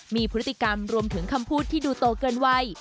มีพฤติกรรมรวมถึงคำพูดที่ดูโตเกินวัย